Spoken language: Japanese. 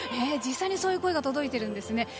実際にそういう声が届いているんですね。